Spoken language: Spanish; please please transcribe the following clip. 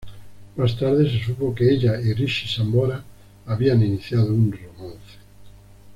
Más tarde se supo que ella y Richie Sambora habían iniciado un romance.